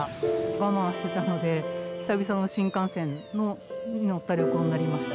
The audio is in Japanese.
我慢していたので久々の新幹線に乗ったらこうなりました。